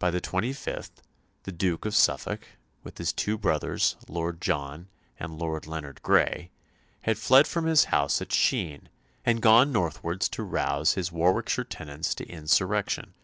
By the 25th the Duke of Suffolk, with his two brothers, Lord John and Lord Leonard Grey, had fled from his house at Sheen, and gone northwards to rouse his Warwickshire tenants to insurrection.